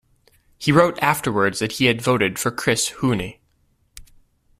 He wrote afterwards that he had voted for Chris Huhne.